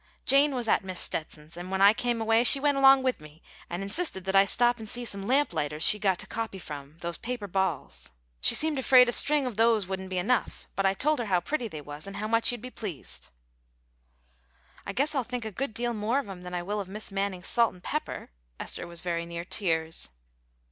Jane was at Mis' Stetson's, and when I came away she went along with me, and insisted that I should stop and see some lamp lighters she'd got to copy from those paper balls. She seemed afraid a string of those wouldn't be enough, but I told her how pretty they was, and how much you'd be pleased." "I guess I'll think a good deal more of 'em than I will of Mis' Manning's salt and pepper." Esther was very near tears.